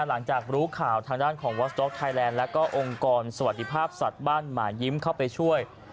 หลังจากรู้ข่าวทางด้านของวอสต๊อกไทยแลนด์แล้วก็องค์กรสวัสดิภาพสัตว์บ้านหมายิ้มเข้าไปช่วย